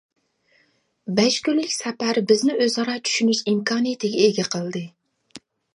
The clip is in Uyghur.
بەش كۈنلۈك سەپەر بىزنى ئۆزئارا چۈشىنىش ئىمكانىيىتىگە ئىگە قىلدى.